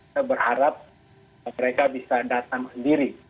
saya berharap mereka bisa datang sendiri